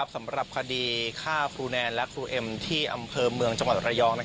สำหรับคดีฆ่าครูแนนและครูเอ็มที่อำเภอเมืองจังหวัดระยอง